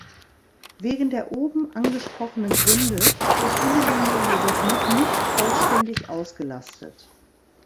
Wegen der oben angesprochenen Gründe ist diese Linie jedoch noch nicht vollständig ausgelastet.